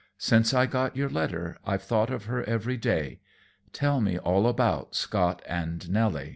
Since I got your letter I've thought of her every day. Tell me all about Scott and Nelly."